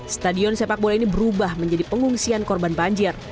stadion sepak bola ini berubah menjadi pengungsian korban banjir